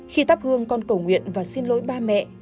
khi thắp hương con cầu nguyện và xin lỗi ba mẹ